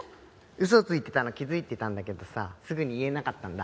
ウソついてたの気づいてたんだけどさすぐに言えなかったんだ。